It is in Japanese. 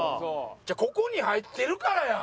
違うここに入ってるからやん！